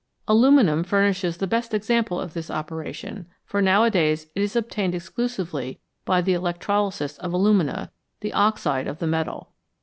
Aluminium furnishes the best example of this operation, for nowadays it is obtained exclusively by the electrolysis of alumina, the oxide of the metal.